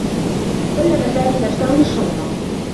سلّم سامي نفسه للشّرطة.